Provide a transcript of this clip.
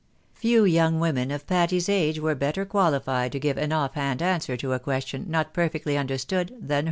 Few young women of Patty's age were better qualified to give tin off hand answer to a question not perfectly understood than